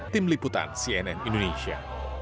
tim liputan cnn indonesia